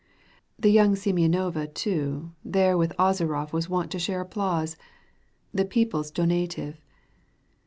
The young Sime6nova too there With Ozerofif was wont to share Applause, the people's donative.